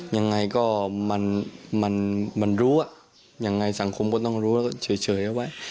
ยังไงก็มันมันมันรู้อ่ะยังไงสังคมก็ต้องรู้แล้วก็เฉยเฉยเอาไว้